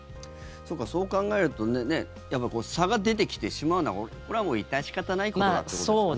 そう考えるとやはり差が出てきてしまうのはこれは致し方ないことだということですね。